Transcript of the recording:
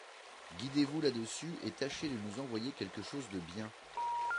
Guidez-vous là-dessus, et tâchez de nous envoyer quelque chose de bien.